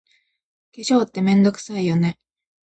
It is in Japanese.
化粧って、めんどくさいよね。